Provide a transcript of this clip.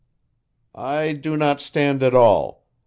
"I do not stand at all.